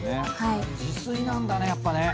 自炊なんだねやっぱね。